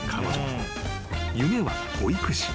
［夢は保育士。